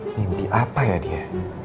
mimpi apa ya dia